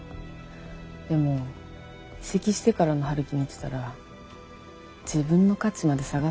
でも移籍してからの陽樹見てたら自分の価値まで下がっちゃいそうで。